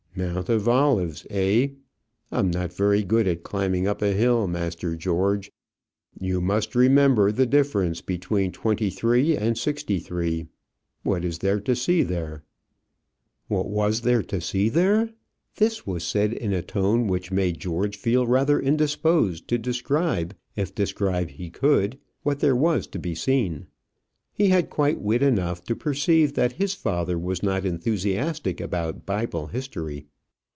"Mount of Olives, eh? I'm not very good at climbing up a hill, Master George; you must remember the difference between twenty three and sixty three. What is there to see there?" What was there to see there! This was said in a tone which made George feel rather indisposed to describe, if describe he could, what there was there to be seen. He had quite wit enough to perceive that his father was not enthusiastic about Bible history.